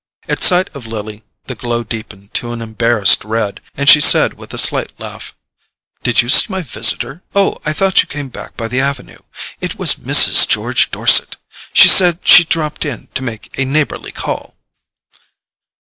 At sight of Lily the glow deepened to an embarrassed red, and she said with a slight laugh: "Did you see my visitor? Oh, I thought you came back by the avenue. It was Mrs. George Dorset—she said she'd dropped in to make a neighbourly call."